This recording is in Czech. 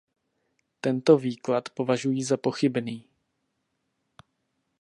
Tento výklad považuji za pochybný.